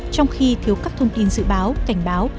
trong khi thiếu các thông tin dự báo cảnh báo